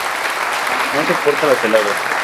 No soporta las heladas.